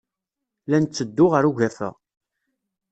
La netteddu ɣer ugafa.